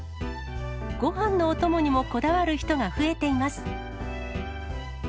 ごはんのお供にもこだわる人が増えています。